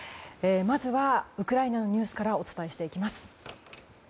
まずはウクライナのニュースからお伝えしていきます。